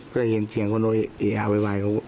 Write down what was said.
ก็จะเห็นเสียงของโนยเออาวแบบนี้